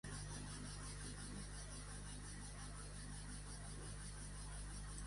Treure'l a la vergonya.